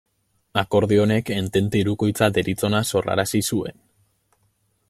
Akordio honek Entente Hirukoitza deritzona sorrarazi zuen.